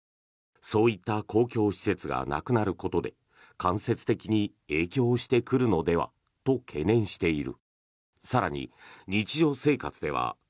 そういった公共施設がなくなることで間接的に影響してくるのではと懸念している。